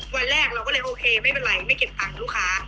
วันแรกเราก็เลยโอเคไม่เป็นไรไม่เก็บตังค์ลูกค้า